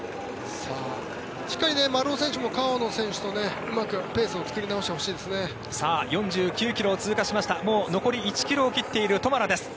しっかり丸尾選手も川野選手とうまくペースを作り直してほしいですね。